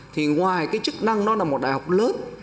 thì ngoài cái chức năng nó là một đại học lớn